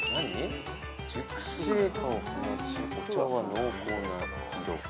「熟成香を放ちお茶は濃厚な色」